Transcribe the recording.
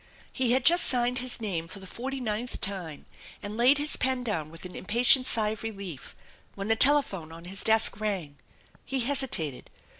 He had just signed his name for the forty ninth time and laid his pen down with an impatient sigh of relief when the telephone on his desk rang. He hesitated.